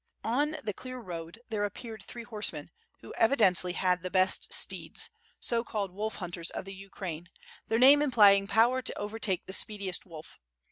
On the clear road there appeared three horsemen, who evidently had the best steeds, so called wolf hunters of the Ukraine, their name implying power to overtake the speediest wolf.